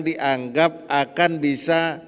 dianggap akan bisa